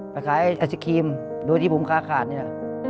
ไปขายไอศครีมโดยที่ผมค้าขาดนี่แหละ